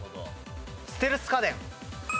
ステルス家電。